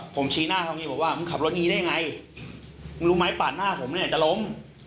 ผมชี้หน้าตรงนี้บอกว่ามึงขับรถนี้ได้ยังไงมึงรู้ไหมปาดหน้าผมเนี้ยจะล้ม